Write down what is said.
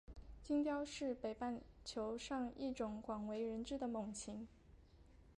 金雕是北半球上一种广为人知的猛禽。